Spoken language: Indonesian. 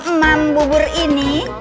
meman bubur ini